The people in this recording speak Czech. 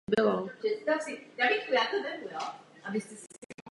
Zaujímá vrcholové partie a severní svahy sídelní terasy.